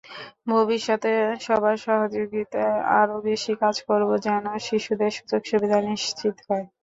ভবিষ্যতে সবার সহযোগিতায় আরও বেশি কাজ করব, যেন শিশুদের সুযোগ-সুবিধা নিশ্চিত হয়।